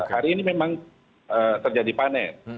hari ini memang terjadi panen